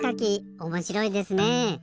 おもしろいですね。